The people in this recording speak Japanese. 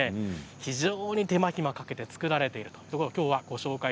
非常に手間暇をかけて作られています。